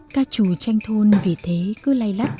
ca trù tranh thôn vì thế cứ lay lắt